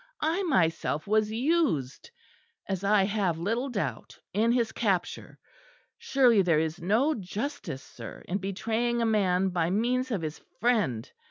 I myself was used, as I have little doubt, in his capture. Surely there is no justice, sir, in betraying a man by means of his friend."